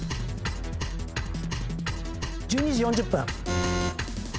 １２時４０分。